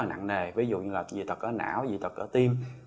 rất là nặng nề ví dụ như là dị tật ở não dị tật ở tim